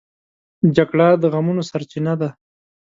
جګړه د غمونو سرچینه ده